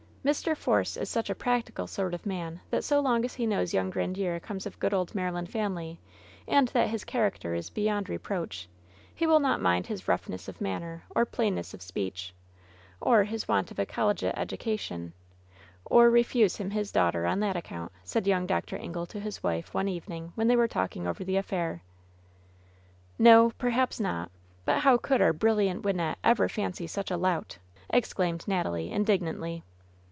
"Mr. Force is such a practical sort of man that so long as he knows yoimg Grandiere comes of a good old Maryland family, and that his character is beyond re proach, he will not mind his roughness of manner or plainness of speech, or his want of a collegiate education, or refuse him his daughter on that account," said young Dr. Ingle to his wife one evening when they were talk ing over the affair. "No, perhaps not ; but how could our brilliant Wyn nette ever fancy such a lout !'* exclaimed Natalie, indig nantly.